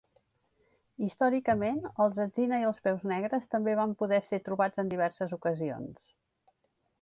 Històricament, els Atsina i els Peus negres també van poder ser trobats en diverses ocasions.